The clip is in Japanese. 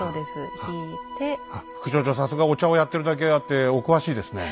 副所長さすがお茶をやってるだけあってお詳しいですね。